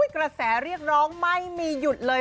กระแสเรียกร้องไม่มีหยุดเลย